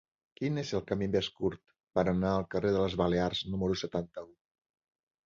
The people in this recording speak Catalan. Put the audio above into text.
Quin és el camí més curt per anar al carrer de les Balears número setanta-u?